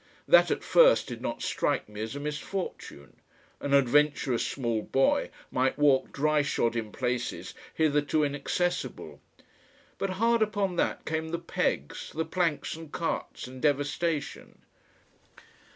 That at first did not strike me as a misfortune. An adventurous small boy might walk dryshod in places hitherto inaccessible. But hard upon that came the pegs, the planks and carts and devastation.